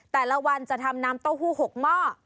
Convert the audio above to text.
แต่ละวันจะทำน้ำเต้าหู้๖หม้อ